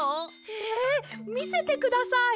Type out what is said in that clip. へえみせてください。